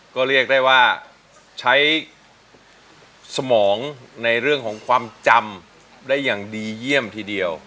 ก็เรียกได้ว่าใช้สมองในเรื่องของความจำได้อย่างดีเยี่ยมทีเดียว